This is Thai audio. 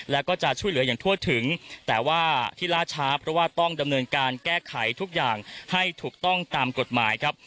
แล้วก็จะช่วยเหลืออย่างทั่วถึงแต่ว่าที่ล่าช้าเพราะว่าต้องดำเนินการแก้ไขทุกอย่างให้ถูกต้องตามกฎหมายครับ